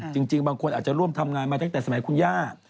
จริงบางคนอาจจะร่วมทำงานมาตั้งแต่สมัยคุณย่า